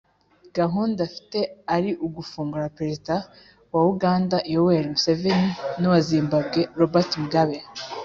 gahunda afite ari ugufunga Perezida wa Uganda Yoweri Museveni n’uwa Zimbabwe Robert Mugabe